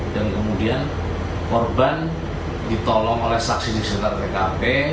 dan kemudian korban ditolong oleh saksi disenar tkp